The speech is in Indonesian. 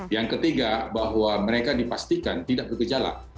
yang ketiga bahwa mereka dipastikan tidak bergejala